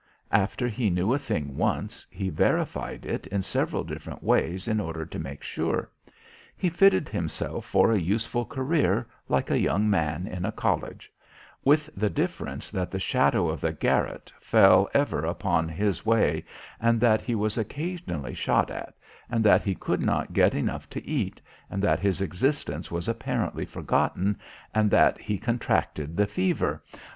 After he knew a thing once, he verified it in several different ways in order to make sure. He fitted himself for a useful career, like a young man in a college with the difference that the shadow of the garote fell ever upon his way, and that he was occasionally shot at, and that he could not get enough to eat, and that his existence was apparently forgotten, and that he contracted the fever.